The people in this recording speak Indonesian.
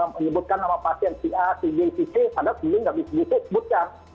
menyebutkan nama pasien ca cg cc padahal di sini nggak bisa di sebutkan